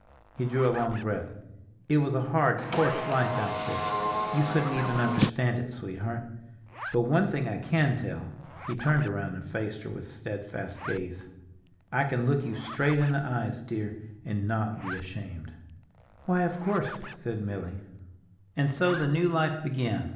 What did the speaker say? He drew a long breath. "It was a hard, coarse life out there—you couldn't even understand it, sweetheart. But one thing I can tell—" he turned around and faced her with steadfast gaze—"I can look you straight in the eyes, dear, and not be ashamed." "Why, of course!" said Milly. And so the new life began.